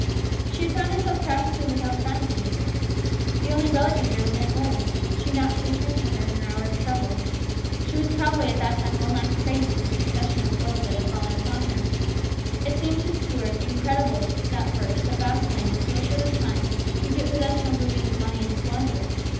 She had found herself practically without friends in New York. The only relative there was Aunt Royal. She naturally turned to her in the hour of her trouble. She was probably at that time well nigh crazed with the succession of blows that had fallen upon her. It seemed to Stuart incredible at first that Vasplaine in so short a time could get possession of Louise's money and squander it.